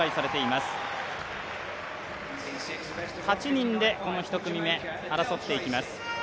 ８人で１組目争っていきます。